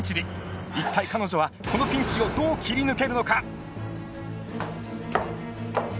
一体彼女はこのピンチをどう切り抜けるのか！